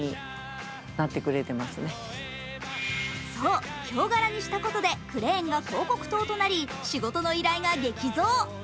そう、ヒョウ柄にしたことでクレーンが広告塔になり、仕事の依頼が激増。